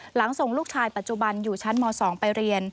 หลังส่งลูกชายปัจจุบันอยู่ชั้นม๒ไปเรียน